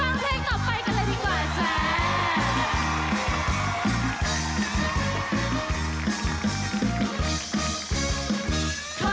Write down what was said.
ฟังเพลงต่อไปกันเลยดีกว่าจ้า